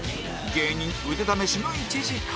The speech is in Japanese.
芸人腕試しの１時間